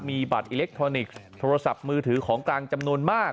มีบัตรอิเล็กทรอนิกส์โทรศัพท์มือถือของกลางจำนวนมาก